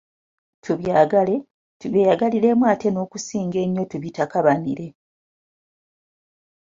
Tubyagale, tubyeyagaliremu ate n’okusinga ennyo tubitakabanire.